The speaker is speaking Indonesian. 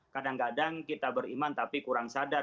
kadang kadang kita beriman tapi kurang sadar